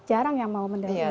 jarang yang mau mendalam